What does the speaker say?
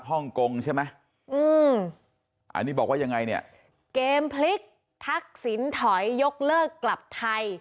ฮ่องกงใช่ไหมอืมอันนี้บอกว่ายังไงเนี่ยเกมพลิกทักษิณถอยยกเลิกกลับไทย